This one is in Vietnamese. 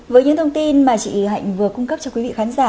với những thông tin mà chị hạnh vừa cung cấp cho quý vị khán giả